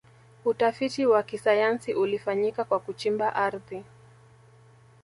utafiti wa kisayansi ulifanyika kwa kuchimba ardhi